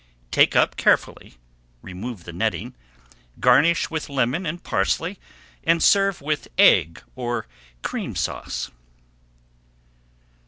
Take up carefully, remove the netting, garnish with lemon and parsley, and serve with Egg or Cream Sauce.